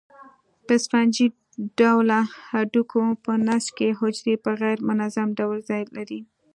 په سفنجي ډوله هډوکو په نسج کې حجرې په غیر منظم ډول ځای لري.